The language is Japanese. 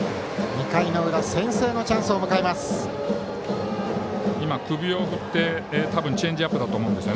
２回の裏、先制のチャンスを迎えます。